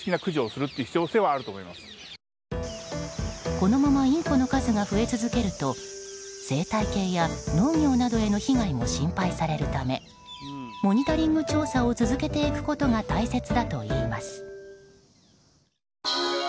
このままインコの数が増え続けると生態系や農業などへの被害も心配されるためモニタリング調査を続けていくことが大切だといいます。